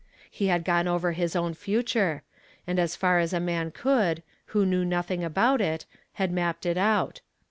He had gone over his own fu ture ; and as far as a man could, who km v nothing about it, had mapped it out.